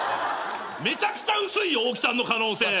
めちゃくちゃ薄いオオキさんの可能性。